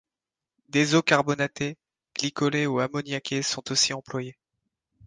Des eaux carbonatées, glycolées ou ammoniaquées sont aussi employées.